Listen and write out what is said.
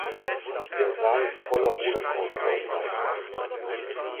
Der Saal ist voller Holocaustleugner.